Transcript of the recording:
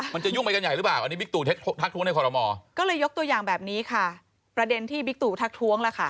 ก็จะเอาไปทิ้งไหนไปปล่อยไหนอ่ะ